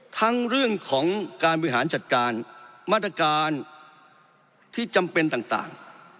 ทั้งเรื่องของการบริหารจัดการมาตรการที่จำเป็นต่าง